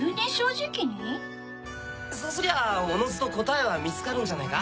そうすりゃおのずと答えは見つかるんじゃないか？